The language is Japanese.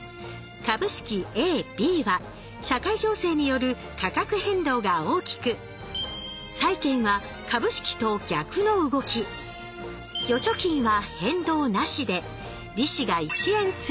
株式ＡＢは社会情勢による価格変動が大きく債券は株式と逆の動き預貯金は変動なしで利子が１円ついただけ。